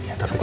aku tuh diet